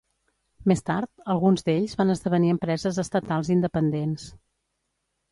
Més tard, alguns d'ells van esdevenir empreses estatals independents.